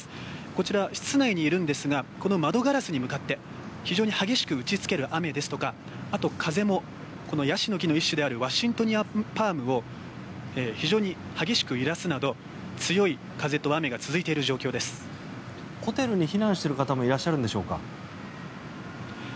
こちら、室内にいるんですがこの窓ガラスに向かって非常に激しく打ちつける雨ですとかあと、風もヤシの木の一種であるワシントニアパームを非常に激しく揺らすなど強い風と雨がホテルに避難している方もいます。